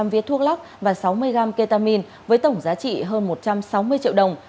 bảy trăm linh viết thuốc lắc và sáu mươi gram ketamine với tổng giá trị hơn một trăm sáu mươi triệu đồng